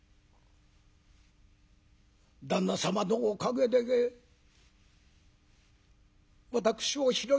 旦那様のおかげで私を拾い上げ